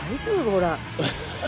ほら。